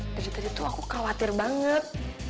dari tadi tuh aku khawatir banget